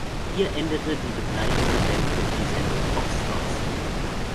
Hier endete die Begleitung der Band durch die Sendung "Popstars".